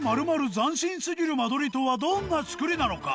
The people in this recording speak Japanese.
斬新すぎる間取りとはどんな造りなのか？